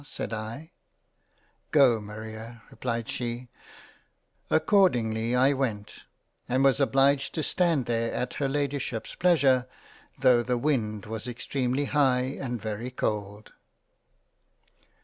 " said I — "Go Maria —" replied she — Accordingly I went and was obliged to stand there at her Ladyships pleasure though the Wind was extremely high and very cold.